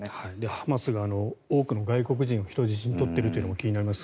ハマスが多くの外国人を人質に取っているというのも気になります。